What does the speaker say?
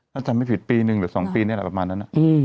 ไม่จำไม่ผิดปี๑หรือ๒ปีแบบนั้น